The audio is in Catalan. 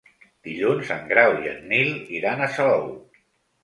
Dilluns en Grau i en Nil iran a Salou.